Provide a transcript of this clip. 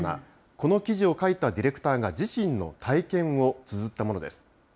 この記事を書いたディレクターが自身の体験をつづったものです。